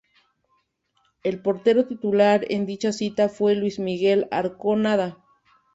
El portero titular en dicha cita fue Luis Miguel Arconada.